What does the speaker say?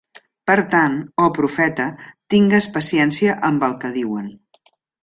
Per tant, oh, Profeta, tingues paciència amb el que diuen.